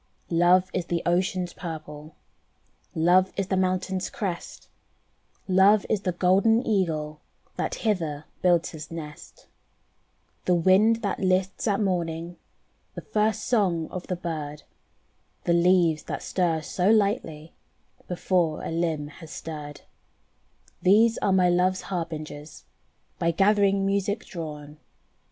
Love is the ocean's purple, Love is the mountain's crest, Love is the golden Eagle That hither builds his nest. The wind that lists at morning. The first song of the bird, The leaves that stir so lightly Before a limb has stirred: These are my love's harbingers By gathering music drawn.